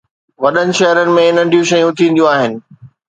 وڏن شهرن ۾ ننڍيون شيون ٿينديون آهن